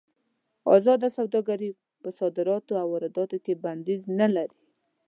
ازاده سوداګري په صادراتو او وارداتو کې بندیز نه لري.